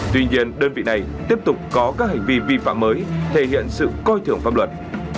tuy nhiên đơn vị này tiếp tục có các hành vi vi phạm mới thể hiện sự coi thưởng pháp luật